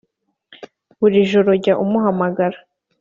buri joro jya umuhamagara